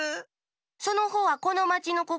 そのほうはこのまちのこか？